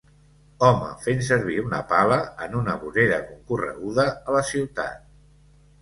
Home fent servir una pala en una vorera concorreguda a la ciutat.